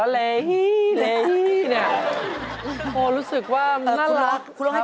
โฮลาเลโฮลาเล